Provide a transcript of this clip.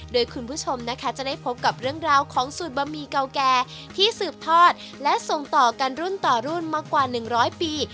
โดยคุณผู้ชมนะคะจะได้พบกับเรื่องราวของสูตรบะหมี่เก่าแก่ที่สืบทอดและส่งต่อกันรุ่นต่อรุ่นมากว่า๑๐๐ปี